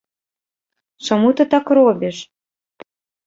Чаму ты так робіш?